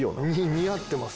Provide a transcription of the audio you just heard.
似合ってます。